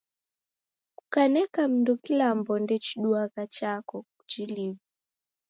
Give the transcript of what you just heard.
Kukaneka mundu kilambo, ndechiduagha chako. Kuchiliw'e.